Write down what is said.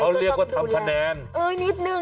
เท่าไหร่ก็ทำคะแนน